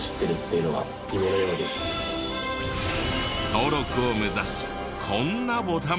登録を目指すこんなボタンまで。